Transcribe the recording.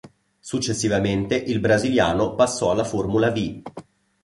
Successivamente il brasiliano passò alla Formula Vee.